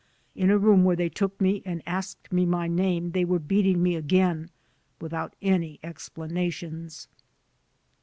In a room where they took me and asked me my name they were beating me again, without any explanations."